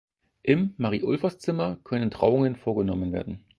Im "Marie-Ulfers-Zimmer" können Trauungen vorgenommen werden.